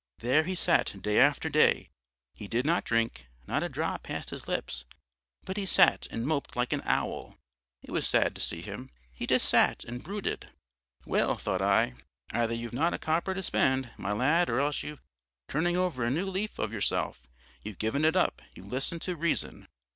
There he sat day after day: he did not drink, not a drop passed his lips, but he sat and moped like an owl. It was sad to see him he just sat and brooded. Well, thought I, either you've not got a copper to spend, my lad, or else you're turning over a new leaf of yourself, you've given it up, you've listened to reason.